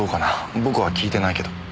僕は聞いてないけど。